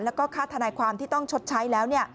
แล้วก็ค่าทนายความที่ต้องชดใช้แล้ว